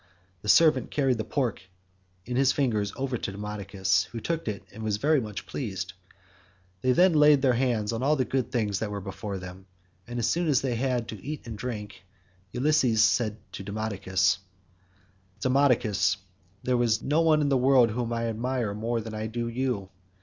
The servant carried the pork in his fingers over to Demodocus, who took it and was very much pleased. They then laid their hands on the good things that were before them, and as soon as they had had to eat and drink, Ulysses said to Demodocus, "Demodocus, there is no one in the world whom I admire more than I do you.